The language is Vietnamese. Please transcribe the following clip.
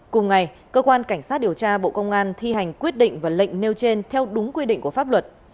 cùng ngày cơ quan cảnh sát điều tra bộ công an thi hành quyết định và lệnh nêu trên theo đúng quy định của pháp luật